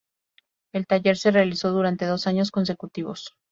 El taller se realizó durante dos años consecutivos.